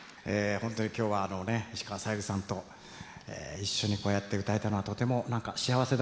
本当に今日はあのね石川さゆりさんと一緒にこうやって歌えたのはとても何か幸せでございました。